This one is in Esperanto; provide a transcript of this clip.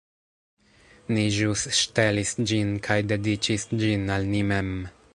Ni ĵus ŝtelis ĝin kaj dediĉis ĝin al ni mem